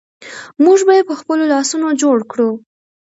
موږ به یې په خپلو لاسونو جوړ کړو.